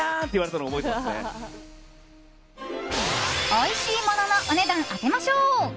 おいしいもののお値段当てましょう。